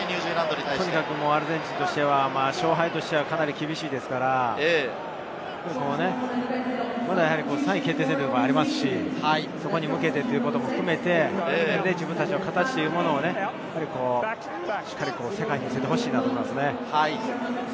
アルゼンチンとしては勝敗はかなり厳しいですから、３位決定戦もありますし、そこに向けてということも含めて、自分たちの形をしっかり世界に見せてほしいと思いますね。